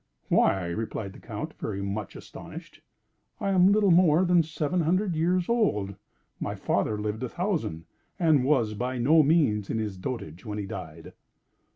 "Why," replied the Count, very much astonished, "I am little more than seven hundred years old! My father lived a thousand, and was by no means in his dotage when he died."